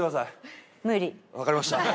わかりました。